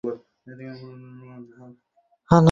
কলেজেও তোমাকে এভাবে মারামারি করতে দেখিনি।